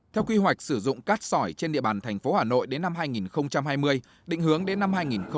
theo quy hoạch sử dụng cát sỏi trên địa bàn thành phố hà nội đến năm hai nghìn hai mươi định hướng đến năm hai nghìn ba mươi